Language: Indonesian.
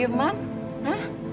absorbs ada apa nih